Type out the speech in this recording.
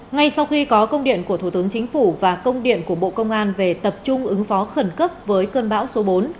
ngay sau khi có công điện của thủ tướng chính phủ và công điện của bộ công an về tập trung ứng phó khẩn cấp với cơn bão số bốn